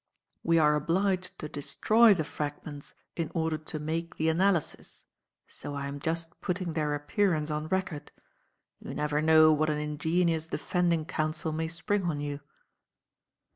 We are obliged to destroy the fragments in order to make the analysis, so I am just putting their appearance on record. You never know what an ingenious defending counsel may spring on you."